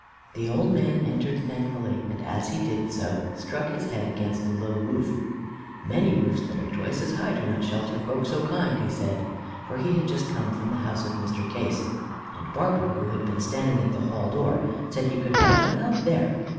The old man entered thankfully, and, as he did so, struck his head against the low roof. "Many roofs that are twice as high do not shelter folk so kind," he said. For he had just come from the house of Mr. Case, and Barbara, who had been standing at the hall door, said he could have no help there.